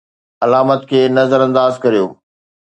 علامات کي نظر انداز ڪريو